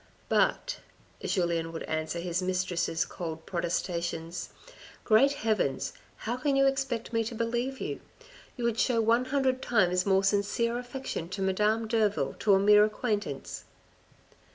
" But," Julien would answer his mistress's cold pro testations, " Great Heavens ! How can you expect me to believe you? You would show one hundred times more sincere affection to Madame Derville to a mere acquaintance."